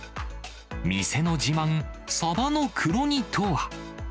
店の自慢、サバの黒煮とは。